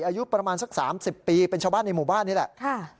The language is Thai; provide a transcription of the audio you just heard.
อายุประมาณสัก๓๐ปีเป็นชาวบ้านในหมู่บ้านนี่แหละ